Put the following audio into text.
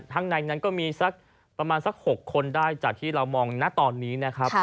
ข้างในนั้นก็มีสักประมาณสัก๖คนได้จากที่เรามองนะตอนนี้นะครับ